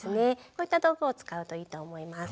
こういった道具を使うといいと思います。